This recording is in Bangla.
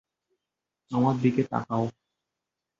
আমার দিকে তাকাও।